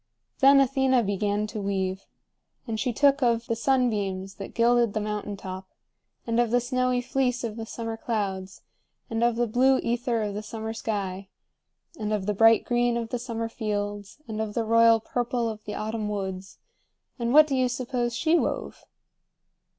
Then Athena began to weave. And she took of the sunbeams that gilded the mountain top, and of the snowy fleece of the summer clouds, and of the blue ether of the summer sky, and of the bright green of the summer fields, and of the royal purple of the autumn woods, and what do you suppose she wove?